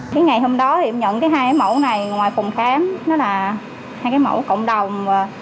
thế ngày hôm đó thì em nhận cái hai cái mẫu này ngoài phòng khám đó là hai cái mẫu cộng đồng